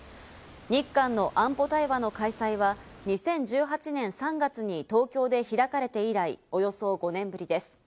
日韓の安保対話の開催は２０１８年３月に東京で開かれて以来、およそ５年ぶりです。